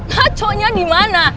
ngaconya di mana